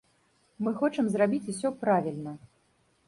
Мы хочам зрабіць усё правільна!